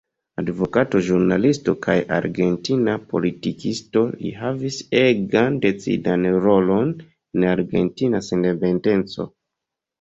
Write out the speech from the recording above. Advokato, ĵurnalisto kaj argentina politikisto, li havis egan decidan rolon en la Argentina Sendependeco.